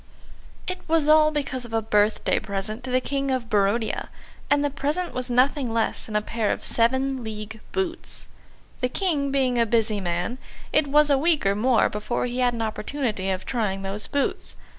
It was all because of a birthday present to the King of Barodia, and the present was nothing less than a pair of seven league boots. The King being a busy man, it was a week or more before he had an opportunity of trying those boots.